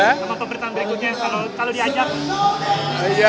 sama pemberitaan berikutnya kalau diajak